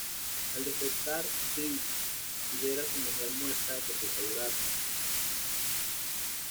Al despertar Drizzt y ver a su mujer muerta, se puso a llorar.